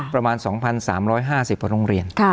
ประมาณ๒๓๕๐กว่าโรงเรียน